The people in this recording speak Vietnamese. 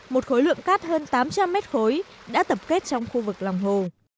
một khối lượng cát hơn tám trăm linh mét khối đã tập kết trong khu vực lòng hồ